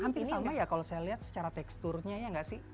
hampir sama ya kalau saya lihat secara teksturnya ya nggak sih